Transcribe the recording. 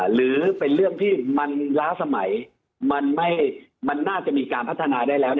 หรือเป็นเรื่องที่มันล้าสมัยมันน่าจะมีการพัฒนาได้แล้ว